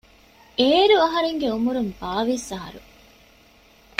އޭރު އަހަރެންގެ އުމުރުން ބާވީސް އަހަރު